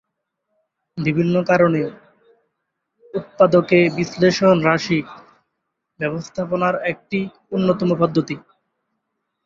বিভিন্ন কারণে উৎপাদকে বিশ্লেষণ রাশি ব্যবস্থাপনার একটি অন্যতম পদ্ধতি।